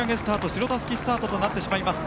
白たすきスタートとなってしまいます。